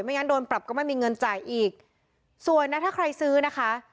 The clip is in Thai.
งั้นโดนปรับก็ไม่มีเงินจ่ายอีกส่วนนะถ้าใครซื้อนะคะ